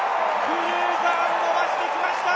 クルーザーも伸ばしてきました！